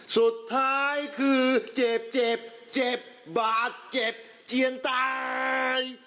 สุดท้ายคือเจ็บเจ็บเจ็บบาดเจ็บเจียนตาย